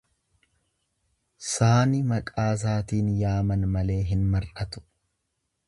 Saani maqaasaatiin yaaman malee hin mar'atu.